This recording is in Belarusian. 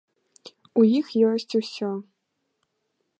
У іх ёсць усё.